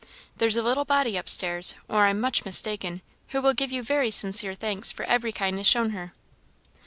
"There's a little body up stairs, or I'm much mistaken, who will give you very sincere thanks for every kindness shown her."